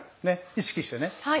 意識してね。